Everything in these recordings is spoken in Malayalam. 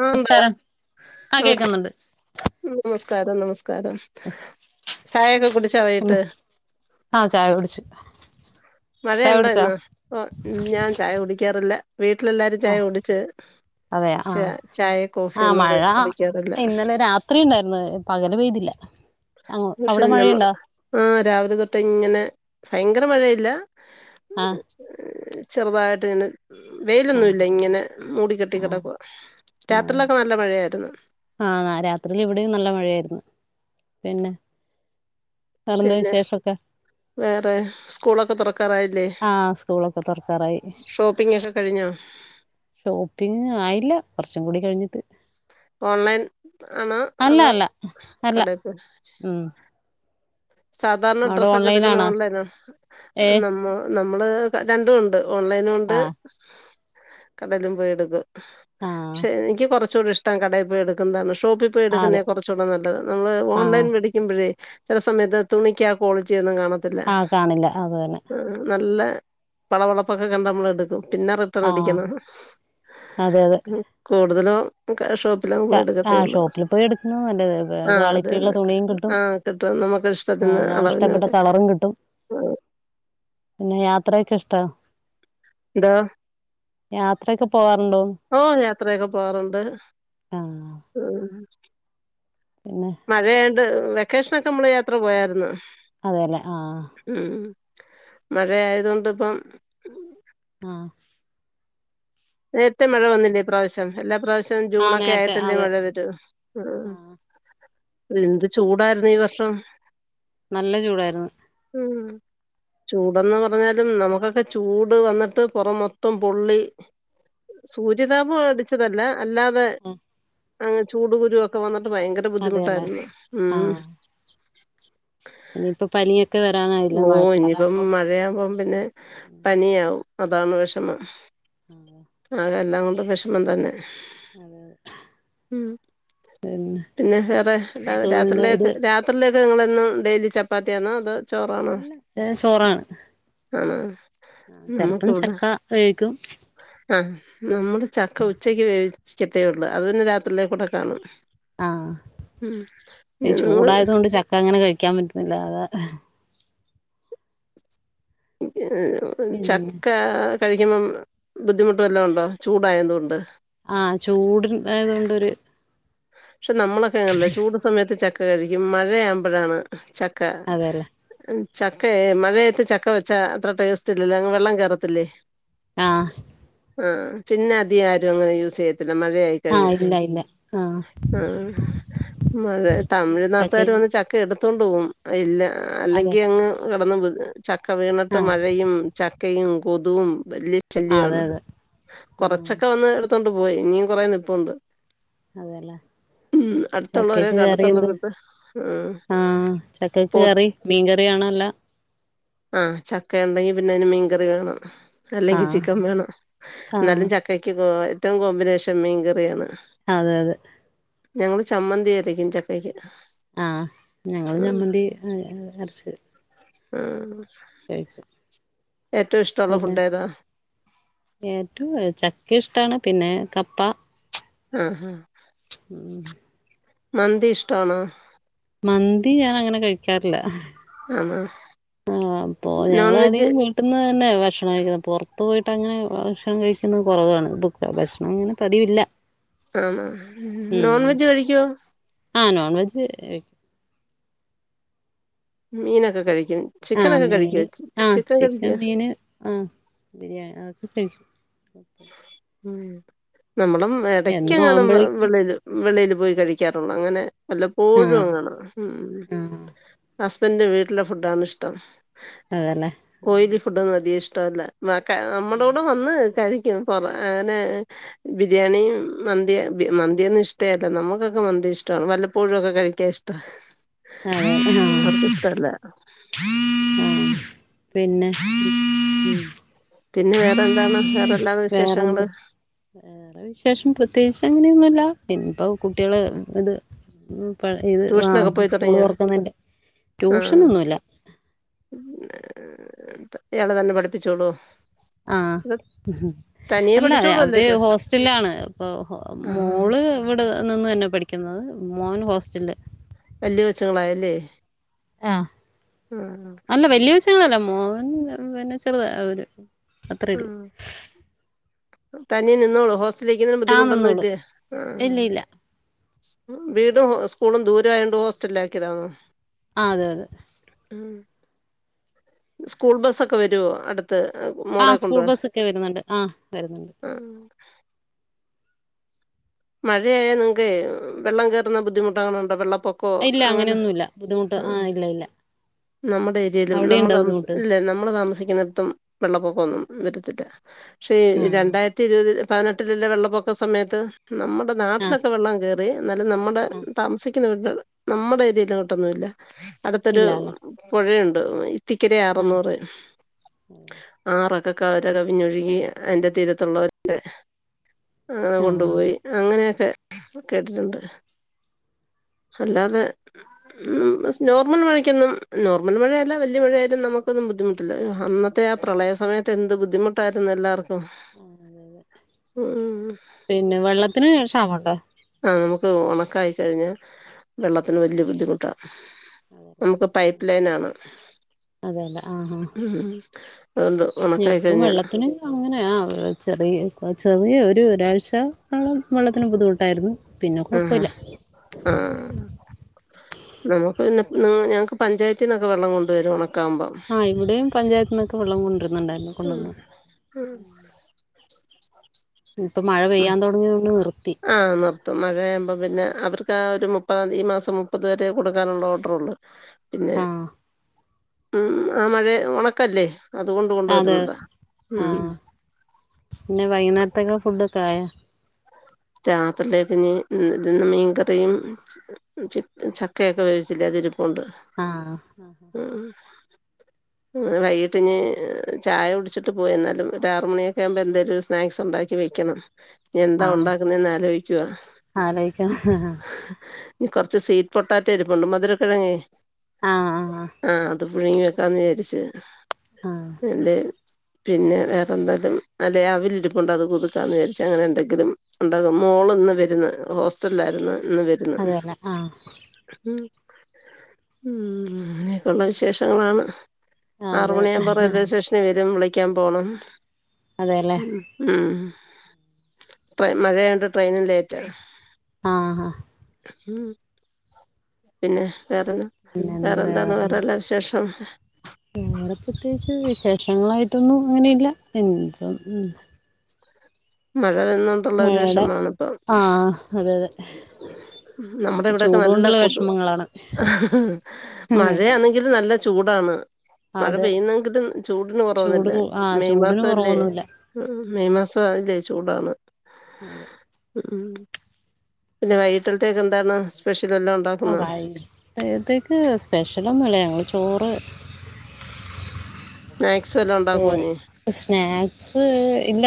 ആ ഉണ്ടോ നമസ്കാരം, ആ കേക്കുന്നുണ്ട്. നമസ്കാരം, നമസ്കാരം, ചായയൊക്കെ, കുടിച്ചാ വൈകിട്ട്? ആഹ, ചായകുടിച്ചു. മഴയുണ്ടേ യിന്ന്? ഒ ഞാൻ ചായ കുടിക്കാറില്ല. വീട്ടിലെല്ലാരും ആ ചായ കുടിച്ച്. അതെയ, ആഹ, ച ചായ ആ കോഫിയൊന്നും ക മഴ, കുടിക്കാറില്ല ഇന്നലെ രാത്രി ണ്ടായിരുന്നു. പകല് പെയ്തില്ല. അവിടെ മഴയുണ്ടോ [unintelligible] ആഹ്, രാവിലെ തൊട്ട ഇങ്ങനെ ഭയങ്കര മഴയില്ല. ആഹ ചെറുതായിട്ട് ഇങ്ങനെ. ആ വെയിലൊന്നു ഇല്ല ഇങ്ങനെ മൂടി കെട്ടി ആ കിടക്ക, രാത്രിയിലൊക്കെ നല്ല മഴയായിരുന്നു. ആഹ രാത്രിൽ ഇവിടെയും നല്ല മഴയായിരുന്നു. പിന്നെ വേറെന്താ പിന്നെ, വിശേഷൊക്കെ വേറെ സ്കൂളൊക്കെ തുറക്കാറായി ആ സ്കൂളൊക്കെ തുറക്കാറായി [unintelligible] ഷോപ്പിംഗ ഒക്കെ കഴിഞ്ഞോ? ഷോപ്പിങ് ആയില്ല കുറച്ചും കൂടി കഴിഞ്ഞിട്ട്. ഓൺലൈൻ ആണോ? അല്ല അതോ അല്ല അല്ല കടപ്പ ഉം സാധാരണ അവിടെ ഡ്രസ്സൊക്കെ എടുക്കുന്ന ഓൺലൈനാണോ ഓൺലൈന, ഏ നമ്മ നമ്മള് രണ്ടും ഉണ്ട്. ഓൺലൈൻ കൊണ്ട് ആ കടലും പോയി എടുക്കും. ആ പക്ഷെ എനിക്ക് കൊറച്ച് കുറച്ചൂടിയിഷ്ടം കടയിൽ പോയി എടുക്കുന്നതാണ് ഷോപ്പിൽ പോയി എടുന്നേ അതെ കെറച്ചൂടെ നല്ലത് നമ്മൾ ആ ഓൺലൈൻ മേടിക്ക്മ്പഴേ ആ സമയത്ത് തുണിക്ക ആ ക്വാളിറ്റിൊന്നും കാണത്തില്ല ആ കാണില്ല അത് തന്നെ ആ നല്ല പളവളപ്പൊക്കെ കണ്ട് നമ്മൾ എടുക്കും പിന്നെ റിട്ടൺ ആ അടിക്കണം അതെ അതെ കൂടുതലും ഷോപ്പിലെ അങ്ങ് പോയി ആ എടുക്കത്തേ ഉള്ളൂ ഷോപ്പിൽ പോയി എടുക്കുന്നത് നല്ലത് ആ അത് ക്വാളിറ്റിയുള്ള തന്നെ തുണിയും കിട്ടും ആ കിട്ടും നമുക്ക് ഇഷ്ടത്തിന് നമ്മള് ഇഷ്ടപ്പെട്ട അളവിനൊക്കെ കളറും കിട്ടും ആ പിന്നെ യാത്രക്കെ ഇഷ്ടവാ ഇതാ യാത്രയെക്കെ പോവാ ഓ യാത്രയെക്കെ പോവാറുണ്ട് ആഹ് ഉ പിന്നെ മഴയായോണ്ട് വെക്കേഷനൊക്കെ നമ്മള് യാത്ര പോയായിരുന്നോ അതെല്ലേ ആ മഴയാതുക്കൊണ്ട് ഇപ്പം ആ നേരത്തെ മഴ വന്നില്ലേ ഈ പ്രാവശ്യം എല്ലാ പ്രാവശ്യം ശ്യം ആഹ് ജൂണൊക്കെ നേരത്തെ ആയിട്ടല്ലേ അതെ മഴ വരു ആഹ് എന്ത് ചൂടായിരുന്നു ഈ വർഷം നല്ല ചൂടായിരുന്നു ഉം ചൂടെന്ന് പറഞ്ഞാലും നമുക്കൊക്കെ ചൂട് വന്നിട്ട് പെറം മൊത്തം പൊള്ളി സൂര്യതാപം അടിച്ചതല്ല അല്ലാതെ അ ചൂട്ക്കുരു ഒക്കെ വന്ന് ഭയങ്കര അതെല്ലേ ബുദ്ധിമുട്ടായിരുന്നു ഉ ഇനിപ്പാ പനിയാ ഓ ഇനിയിപ്പം മഴയാവുമ്പം പിന്നെ പനിയാവും അതാണ് വെഷമം നാളെ എല്ലാം കൊണ്ടും വെഷമം തന്നെ അതെ ഉം അതെ പിന്നെ വേറെ അല്ലാതെ സ്കൂളിന്റെ ഇത് രാത്രിയിലേക്ക് രാത്രിയിലേക്ക് നിങ്ങൾ എന്നും ഡെയിലി ചപ്പാത്തിയാണോ അതേ അല്ല ചോറാണ് ആണോ ആ ചെലപ്പം ചക്ക വേവിക്കും ആ നമ്മള് ചക്ക ഉച്ചക്ക് വേവിക്കത്തേ ഉള്ളൂ അത് തന്നെ രാത്രിയിലേക്കൂടെ കാണും ആ ഉം ഈ നിങ്ങള് ചൂടായത് കൊണ്ട് ചക്ക അങ്ങനെ കഴിക്കാൻ പറ്റുലാ അതാ പിന്നെ ചക്ക കഴിക്കുമ്പം ബുദ്ധിമുട്ടോവെല്ലാം ഒണ്ടോ ചൂടായതുകൊണ്ട് ആ ചൂടിൻ ആയതുകൊണ്ടൊരു പക്ഷെ നമ്മളൊക്കെ അങ്ങനെയല്ല ചൂട് സമയത്ത് ചക്ക കഴിക്കും മഴയാക്കുമ്പഴാണ് ച ക അതെല്ലേ ഉം ചക്ക ആയാ മഴയത്ത് ചക്ക വെച്ചാ അത്ര ടേസ്റ്റ് ഇല്ലല്ലോ അങ്ങ് വെള്ളം കേറത്തില്ലേ ആ ആ പിന്നെ അധികം ആരും അങ്ങനെ യൂസ് ചെയ്യത്തില്ല മഴയായി കഴിഞ്ഞ ആഹ് ഇല്ല ഇല്ല ആഹ് ആ മഴ ചക്കക്ക് തമിഴ്നാട്ടുകാര് വന്ന് ചക്ക എടുത്തോണ്ട് പോം ഇല്ല അതെ അല്ലെങ്കി അങ്ങ് കെടന്ന് ചക്ക വീണിട്ട് ആഹ് മഴയും ചക്കയും കൊതുകും വല്യ ആഹ് അതെ ചല്യാണ് അതെ ആഹ് കൊറച്ചെക്കെ വന്ന് എടുത്തോണ്ട് പോയി ഇനിയും കൊറെ നിപ്പുണ്ട് അതേല്ലെ ഉം ചക്കക്ക് അടുത്തുള്ളവരൊക്കെ കറി അടുത്തുള്ള എന്തുവ വീട്ട് ഉം ആ ചക്കക്ക് പോ കറി മീൻക്കറിയാ ണല്ല ആഹ് ചക്കയുണ്ടെങ്കി പിന്നെ അയിന് മീൻകറി വേണം അല്ലെങ്കി ആഹ് ചിക്കൻ വേണം ആഹ് എന്നാലും ചക്കക്ക് കോ ഏറ്റോം കോമ്പിനേഷൻ മീൻകറിയാണ് അതെ അതെ ഞങ്ങള് ചമ്മന്തിയരക്കും ചക്കയ്ക്ക് ആഹ ഞങ്ങളും ചമ്മന്തി അ അരച്ച് മ്മ് കഴിക്കും പിന്നെ ഏറ്റോം ചക്ക ഇഷ്ടാണ് പിന്നെ കപ്പ ആ ഹാ ഉം മന്തി ഇഷ്ടാണോ? മന്തി ഞാൻ അങ്ങനെ കഴിക്കാറില്ല ആണാ? ആ അപ്പൊ ഞങ്ങളധികം വീട്ടിന്ന് തന്നാ ഭക്ഷണം കഴിക്കുന്ന പൊറ പോയിട്ടങ്ങനെ ഭക്ഷണം കഴിക്കുന്നത് കൊറവാണ് പൊ ത്ത ഭക്ഷണം ഇങ്ങനെ പതിവില്ല ആണോ ഉം നോൺ വെജ് കഴിക്കോ ആ നോൺവെജ് കഴി മീനക്ക കഴിക്കും ആഹ് ചിക്കനക്ക കഴിക്കുവ മീന് ആഹ് ചിക്കൻ കഴിക്കുവ മീന് ആഹ് ബിരിയാണി അതൊക്കെ കഴിക്കും മ്മ് നമ്മളും എന്നും എടക്കങ്ങാനും ആവുമ്പോഴേക്കും വെളീല് വെളീല് പോയി കഴിക്കാറുള്ളൂ അങ്ങനെ വല്ലപ്പോഴും ആഹ് അങ്ങാനും ആഹ് ഹസ്ബൻഡ് വീട്ടില ഫുഡാണ് ഇഷ്ടം അതല്ലേ ഓയിലി ഫുഡൊന്നും അധികം ഇഷ്ടവല്ല നക്കെ ആഹ് നമ്മളോടും വന്ന് കഴി ക്കും പൊറ അങ്ങനെ ബിരിയാണീം മന്തി മന്തിയൊന്നും ഇഷ്ടേയല്ല നമ്മുക്കൊക്ക മ ഇഷ്ടാണ് വല്ലപ്പോഴുവൊക്കെ കഴിക്കാൻ ഇഷ്ട അതെ ആഹ് അവർക്ക് ആഹ് ഇഷ്ടല്ല പിന്നെ പിന്നെ വേറെ എന്താണ്? വേറെല്ലാ വേറെന്താ വിശേഷങ്ങള് വേറെ വിശേഷം പ്രത്യേകിച്ച് അങ്ങനെയൊന്നുല്ല പിന്നെപ്പോ കുട്ടികള് ഇത് മ്മ് ഇപ്പ ഇത് ആ ട്യൂഷനൊക്കെ പോയി സ്കൂള് തുടങ്ങിയോ തൊറക്കുന്നേന്റെ ആഹ് ട്യൂഷനൊന്നുയില്ല ഇയാള് തന്ന പഠിപ്പിച്ചോളോ? ആ ഇത് തനിയെ അല്ല ഏ പഠിച്ചോളൂല്ലോ അവര് ഇത് ഹോസ്റ്റലിലാണ് ഇപ്പോ ആഹ് മോള് ഇവിടെ നിന്ന് തന്നെ പഠിക്കുന്നത് മോൻ ഹോസ്റ്റലില് വല്യ കൊച്ചുങ്ങളായല്ലേ ആ ആഹ് അല്ല വല്യ കൊച്ചുങ്ങളല്ല മോൻ പിന്നെ ചെറുതാ ഒരു അത്രേള്ളൂ തന്നെ നിന്നോളോ ഹോസ് സ്റ്റലിനിക്കുന്നേന് നിന്നോളും ബുദ്ധിമുട്ടൊന്നുല്ലേ ആ ഇല്ല ഇല്ല വീടും സ്കൂളും ദൂ രായണ്ട് ഹോസ്റ്റലിലാക്കിതാണോ ആ അതെ അതെ സ്കൂൾ ബസ്സൊക്കെ വെരുവോ അടു ത്ത് ആ മോളെ സ്കൂൾ കൊണ്ടുവാൻ ബസ്സൊക്കെ വരുന്നുണ്ട് ആ വരുന്നുണ്ട് ആഹ്. മഴയായാൽ നിങ്ങക്കെ വെള്ളം കേറുന്ന ബുദ്ധിമുട്ടാണൊണ്ടോ വെള്ളം പൊക്കോ ഇല്ല അങ്ങനെ അങ്ങനെയൊന്നുല്ല ബുദ്ധിമുട്ട് ആ ആഹ് ഇല്ല ഇല്ല നമ്മടെ ഏരിയേലും അവിടെ നമ്മൾ ഇണ്ടോ താമസി ബുദ്ധിമുട്ട് ഇല്ല നമ്മള് താമസിക്കുന്നിടത്തും വെള്ളപ്പൊക്കൊന്നും വരത്തില്ല പക്ഷേ ഈ ആഹ് രണ്ടായിരത്തി ഇരുപത് പതിനെട്ടിലല്ലേ വെള്ളപ്പൊക്ക സമയത്ത് നമ്മുടെ ആഹ് നാട്ടിലൊക്കെ വെള്ളം കേറി എന്നാലും നമ്മുടെ ആഹ് താമസിക്കുന്ന വീടിന്റ അവിടെ നമ്മുടെ ഏരിയയില കൂട്ടൊന്നുമില്ല അടുത്തൊരു ഇല്ലാല്ലേ പുഴയുണ്ട് ഇത്തിക്കര അറ് എന്ന് ആഹ് പറയും ആറ് ഒക്കെ കര കവിഞ്ഞൊഴുകി അതിൻ്റെ തീരത്തുള്ളവരുരെക്കെ ആഹ് കൊണ്ടുപോയി അങ്ങനെയൊക്കെ കേട്ടിട്ടുണ്ട് അല്ലാതെ നോർമൽ മഴക്കൊന്നും നോർമൽ മഴയല്ല വല്യ മഴയായാലും നമുക്കൊന്നും ബുദ്ധിമുട്ടില്ല അന്നത്തെ ആ പ്രളയ സമയത്ത് എന്ത് ബുദ്ധിമുട്ടായിരുന്നു എല്ലാവർ പിന്നെ വെള്ളത്തിന് ക്ഷാമട്ടോ ആ നമുക്ക് ഉണക്കായി കഴിഞ്ഞാൽ വെള്ളത്തിന് വലിയ ബുദ്ധിമുട്ടാ നമുക്ക് പൈപ്പ് ലൈനാണ് അതെല്ല അതുകൊണ്ട് ഉണക്കായി ഞങ്ങക്ക് കഴിഞ്ഞ വെള്ളത്തിന് അങ്ങനെയാ ചെറിയ ചെറിയ ഒരു ഒരാഴ്ച ആ വെള്ളത്തിന് ബുദ്ധിമുട്ടായിരുന്ന് പിന്നെ ആഹ് കുഴപ്പല്ല ആഹ് നമുക്ക് പിന്നെ ഞങ്ങക്ക് പഞ്ചായത്തിൽ ന്നൊക്കെ വെള്ളം കൊണ്ട് വരും ആഹ് ഇവിടെയും പഞ്ചായത്തി നിന്നൊക്കെ വെള്ളം കൊണ്ടുരുന്നുണ്ടായിരുന്നു ഉം കൊണ്ടുവന്ന് ഉം ഇപ്പൊ മഴ ഉ പെയ്യാൻ തുടങ്ങിയോണ്ട് നിർത്തി ആഹ നിർത്തും മഴ ആമ്പോ പിന്നെ അവർക്ക് ആ ഒരു മുപ്പതാം ഈ മാസം മുപ്പത് വരെ കൊടുക്കാനുള്ള ഓർഡറണ്ട് പിന്നെ ആഹ് ഉം ആ മഴ ഉണക്കല്ലേ അതുകൊണ്ട് അതെെ കൊണ്ടുവരുന്നതാ ഉം ആഹ പിന്നെ വൈകുന്നേരത്തൊക്കെ ഫുഡൊ കായ രാത്രിയിലേക്ക് ഇ ഇ മീൻകറിയും ചക്കയൊക്കെ വേവിച്ചില്ലെ അതിരു പ്പുണ്ട് ആഹ് ഉ ഉ വൈകീട്ട് ഇ ചായ ഉടിച്ചിട്ട് പോയി എന്നാലും ഒ ആറ മണിയൊക്കെ ആവുമ്പോ എന്തെേലും സ്നാക്സ് ഉണ്ടാക്കി വേക്കണം ഇനി എന്താ ആഹ് ഉണ്ടാക്കുന്നന്ന് ആലോചിക്കുക ആലോയിക്കണം കുറച്ച് സവീറ്റ് പൊട്ടാറ്റ എരിപ്പുണ്ട് മധുര കിഴങ്ങേ ആഹ ആ അത് പുഴുങ്ങി വെക്കാന്ന് വിചാരിച്ചു ആഹ് എന്റെ പിന്നെ വേറെ എന്തായാലും അല്ലെ അവിലിരുപ്പണ്ട് അത് കൊതുക്കാന്ന് വിചരിച്ചച്ച് അങ്ങനെ എന്തെങ്കിലും ണ്ടാകും മോൾ ഇന്ന് വരുന്ന് ഹോസ്റ്റലായിരുന്നു എന്ന് വരുന്ന അതെല്ലേ ആഹ് ഉ അങ്ങനെയൊക്കെയ ഉുള്ള വിശേഷങ്ങളാണ് അത് ആറു മണിയാകുമ്പോ റെയിൽവേ സ്റ്റേഷനിൽ വരും വിളിക്കാൻ പോണം അതെല്ലേ ഉ ആഹ മഴയണ്ട് ട്രെയിനും ലൈറ്റ ആഹ ഹാ ഉ പിന്നെ വേറെന്ന പിന്നെന്ത് വേറെന്താന്ന വേറെല്ലാ വിശേഷം വറെ പ്രത്യേകിച്ച് വിശേഷങ്ങളായിട്ടൊന്നും അങ്ങനെയില്ല എന്ത മഴയെന്നോണ്ടുള്ള ഒരു മഴയുടെ വിഷമാണിപ്പം ആഹ അതെ അതെ നമ്മുടെ ഇവിടെക്കെ ചൂട് നല്ല കൊണ്ടുള്ള കൊതു വിഷമങ്ങളാണ് മഴയാണെങ്കും നല്ല ചൂടാണ് മഴ അതെ പെയ്യുന്നെങ്കിലും ചൂടിന് കുറവന്നില്ല ചൂട് ആഹ് മെയ് ചൂടിന് മാസം അല്ലേ കുറവൊന്നുമില്ല മെയ് മാസം ചൂടാണ് അതെ ഉ പിന്നെ വൈകിട്ടതെക്ക് എന്ത സ്പെ ആ വായിതേക്ക് സ്പെഷ്യല ഒന്നും ഇല്ല ഞങ്ങള് ചോറ് ആ സ സ്നാക്സ് ഇല്ല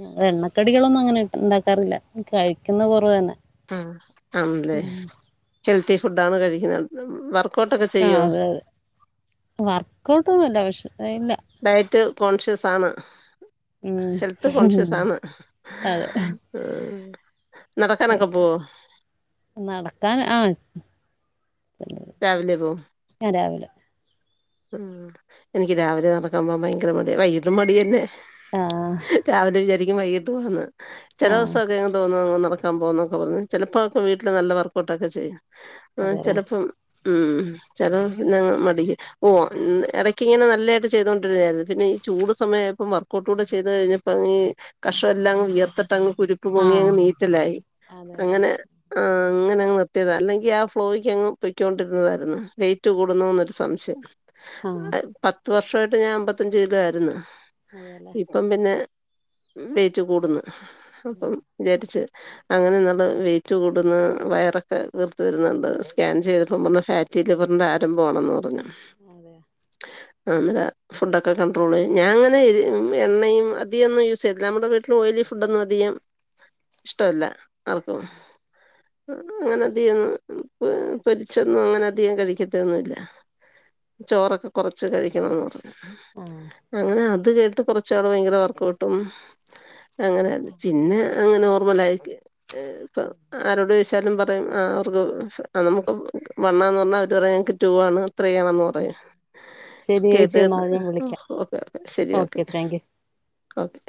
ഞ എണ്ണക്കടികളൊന്നും അങ്ങനെ ഇണ്ടാക്കാറില്ല കഴിക്കുന്ന കുറവ് തന്നെ ആ ആണല്ലേ ഹെൽത്തി ഫുഡ ആാണ് കഴിക്കുന്നത് വർ ആ അതെ അതെ വർക്ക്ഔട്ടന്നുമല്ല പക്ഷെ ഇല്ല ഡയറ്റ് കോൺഷ്യസ്ആണ് ഉം ഹെൽത്ത്കോൺഷ്യസ് ആണ് അതെ നടക്കാനോക്കെ പോവൊ നടക്കാൻ ആഹ രാവിലെ പോവും രാവിലെ ഉം എനിക്ക് രാവിലെ നടക്കാൻപോവാൻ ഭയങ്കരമടിയാ വൈകിട്ടുംമടിയന്നെ ആഹ് രാവിലെവിചാരിക്കും വൈകിട്ട്പോകന്ന് ചില ആഹ് ദിവസക്കെ [unintelligible] ടക്കാൻ പോകുന്നൊക്കെ [unintelligible] ചിലപ്പോ വീട്ടില്നല്ലവർക്കഔട്ട്ക്കെചെയ്യും അതെല്ലേ ചെലപ്പം ഉം [unintelligible] പിന്നെ മടി ഓ ഇടക്കിങ്ങനെ നല്ലയിട്ട് ചെയ്തോണ്ട് [unintelligible] പിന്നെ ഈ ചൂട്സമയപ്പം വർക്കട്ട് കൂടെ ചെയ്ത്കഴിഞ്ഞപ്പ ഈ കക്ഷം എല്ലാം വിയർത്തിട്ട് ആഹ് കുരുപ്പ്പൊങ്ങിങ്ങ് നീറ്റലായി അതെല്ലേ അങ്ങനെ ആ അങ്ങനെങ്ങ് നിർത്തിയതാ അല്ലെങ്കിൽ ആ ഫ്ലോയ്ക്ക്ങ്ങ് പൊയ്ക്കൊണ്ടിരുന്നതായിരുന്നു വെയിറ്റ് കൂടുന്നൂന്നൊരുസംശയം ആഹ് പത്ത് വർഷായിട്ട് ഞാൻ അമ്പത്തഞ്ച്കിലോയിരുന്നു അതെല്ലേ ഇപ്പം പിന്നെ വേറ്റ്കൂടുന്ന് അപ്പംവിചാരിച്ച് അങ്ങനെന്ന വെയിറ്റ്കൂട്ന്ന് വയറൊക്കെ വീർത്ത് വരുന്ന്ണ്ട് സ്കാൻചെയ്തപ്പൊ [unintelligible] ഫാറ്റ് റ്റിലിവറിന്റെ ആരംഭ മാണെന്ന്പറഞ് [inaudible] അ ഫുഡ്ഡ്ക്കെ കൺട്രോളെയും ഞാങ്ങനെ എണ്ണയുംഅതിന്നും യൂസ്ചെയ്ല്ല നമ്മുടെവീട്ടി ഒയിലി ഫുഡൊന്നുംഅധികം ഇഷ്ടമല്ല അപ്പൊ അങ്ങനെ അധികൊന്നും പൊരിച്ചൊന്നും ങ്ങനെ അധികംകഴിക്കത്തൊന്നുംല്ല ചോറൊക്കെകുറച്ച് കഴിക്കണംന്ന് ആഹ് പറഞ്ഞ്അങ്ങനെ അതി ഇത് കേട്ട് കുറച്ചാള് ഭയങ്കര വർക്കഔട്ടും അങ്ങനെയ്രുന്നു പിന്നെ അങ്ങനെ നോർമലായി [unintelligible] ച്ചാലുംപറയും അ അവർക്ക് നമുക്ക് വണ്ണാെന്ന്പറഞ്ഞാ അവർപറയും ഞങ്ങൾക്ക് ടൂഅണ് ത്രീ ആണെന്ന് പ [unintelligible] ശരി ചേച്ചി കേട്ടത് എന്നാൽ ഞാൻ വിളിക്കാം [unintelligible] ഓക്കെ ഓക്കെ ശരി ഓക്കെ താങ്ക് യു ഓക്കെ